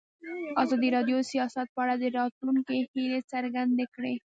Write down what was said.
ازادي راډیو د سیاست په اړه د راتلونکي هیلې څرګندې کړې.